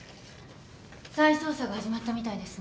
再捜査が始まったみたいですね。